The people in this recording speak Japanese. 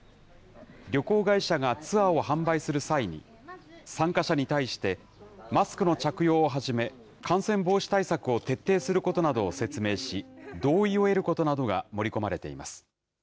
旅行会社がツアーを販売する際に、参加者に対して、マスクの着用をはじめ、感染防止対策を徹底することなどを説明し、同意を得ることなどが盛り込まれています。